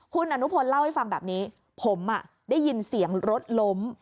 คุณอนุพลเล่าให้ฟังแบบนี้ผมได้ยินเสียงรถล้ม